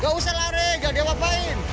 tidak usah lari tidak ada apa apa